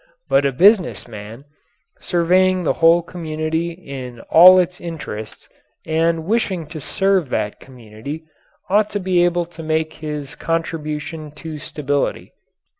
But a business man, surveying the whole community in all its interests and wishing to serve that community, ought to be able to make his contribution to stability.